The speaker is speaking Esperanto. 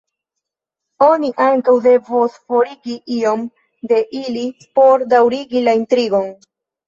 Oni ankaŭ devos forigi iom de ili por daŭrigi la intrigon.